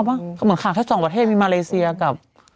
เพราะเหมือนขาดแค่สองประเทศมีมาเลเซียกับ